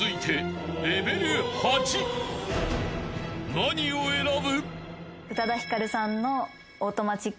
［何を選ぶ？］